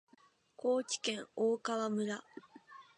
高知県大川村